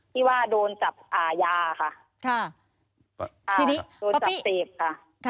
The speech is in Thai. ที่ว่าโดนจับยาค่ะโดนจับเศษค่ะ